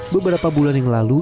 beberapa bulan yang lalu